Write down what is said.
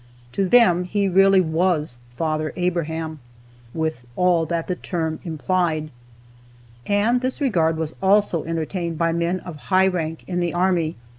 To them he really was "Father Abraham," with all that the term implied. And this regard was also entertained by men of high rank in the army.